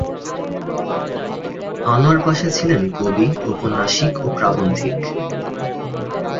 আনোয়ার পাশা ছিলেন কবি, ঔপন্যাসিক ও প্রাবন্ধিক।